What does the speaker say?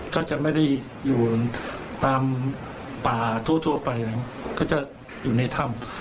ก็จะไม่ได้อยู่ตามป่าทั่วไปนะก็จะอยู่ในถ้ำ